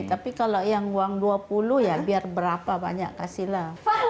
tapi kalau yang uang dua puluh ya biar berapa banyak kasih lah